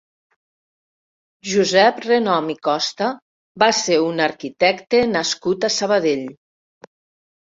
Josep Renom i Costa va ser un arquitecte nascut a Sabadell.